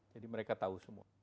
jadi mereka tahu semua